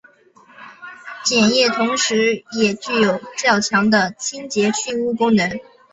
碱液同时也具有较强的清洁去污功能。